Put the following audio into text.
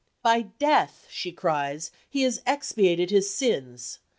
"By death," she cries, "he has expiated his sins.